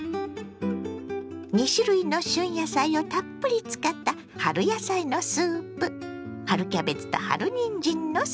２種類の旬野菜をたっぷり使った春野菜のスープ。